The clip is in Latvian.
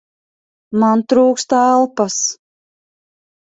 Man trūkst elpas!